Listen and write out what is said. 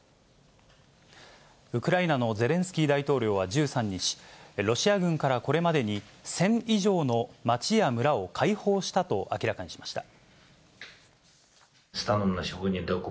ウクライナのゼレンスキー大統領は１３日、ロシア軍からこれまでに１０００以上の町や村を解放したと明らかにしました。